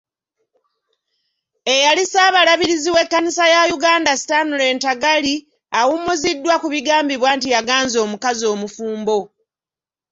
Eyali Ssaabalabirizi w'Ekkanisa ya Uganda, Stanely Ntagali, awummuziddwa ku bigambibwa nti yaganza omukazi omufumbo.